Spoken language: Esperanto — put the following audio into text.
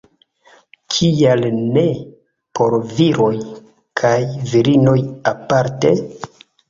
Kial ne por viroj kaj virinoj aparte?